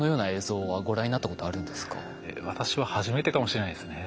私は初めてかもしれないですね。